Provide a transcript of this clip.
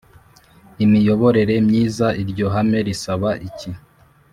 imiyoborere myiza Iryo hame risaba iki